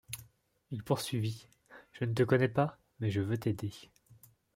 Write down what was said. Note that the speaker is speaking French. Il poursuivit :— Je ne te connais pas, mais je veux t’aider.